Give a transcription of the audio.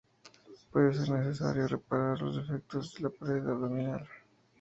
Puede ser necesario reparar los defectos de la pared abdominal.